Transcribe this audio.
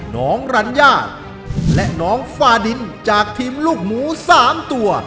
น้องรัญญาและน้องฟาดินจากทีมลูกหมู๓ตัว